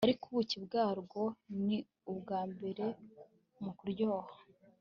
ariko ubuki bwarwo ni ubwa mbere mu kuryoha